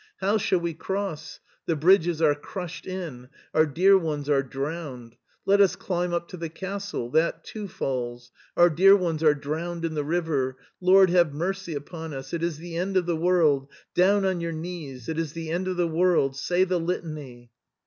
"How shall we cross? The bridges are crushed in. Our dear ones are drowned. Let us climb up to the castle. That too falls. Our dear ones are drowned in the river. Lord, have mercy upon us! It is the end of the world — down on your knees — it is the end of the world. Say the Litany."